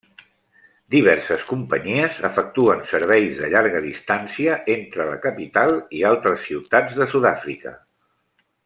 Diverses companyies efectuen serveis de llarga distància entre la capital i altres ciutats de Sud-àfrica.